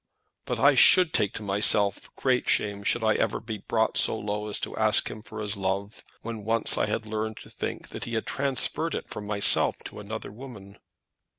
But I should take to myself great shame should I ever be brought so low as to ask him for his love, when once I had learned to think that he had transferred it from myself to another woman."